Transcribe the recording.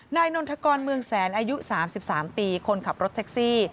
นนทกรเมืองแสนอายุ๓๓ปีคนขับรถแท็กซี่